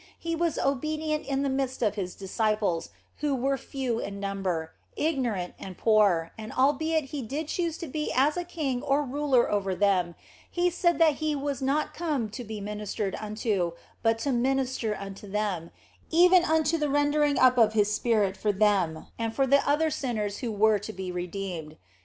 He was obedient in the midst of His disciples, who were few in number, ignorant, and poor, and albeit He did choose to be as a king or ruler over them, He said that He was not come to be ministered unto, but to minister unto them, even unto the rendering up of His spirit for them and for the other sinners who were to be redeemed.